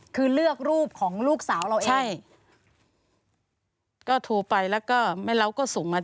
คือเลือกรูปของลูกสาวเราเอง